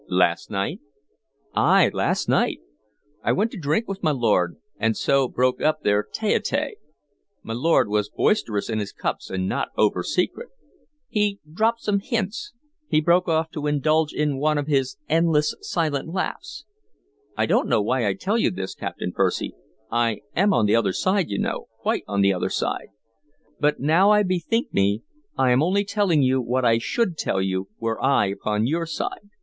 "Last night?" "Ay, last night. I went to drink with my lord, and so broke up their tete a tete. My lord was boisterous in his cups and not oversecret. He dropped some hints" He broke off to indulge in one of his endless silent laughs. "I don't know why I tell you this, Captain Percy. I am on the other side, you know, quite on the other side. But now I bethink me, I am only telling you what I should tell you were I upon your side.